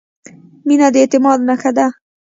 • مینه د اعتماد نښه ده.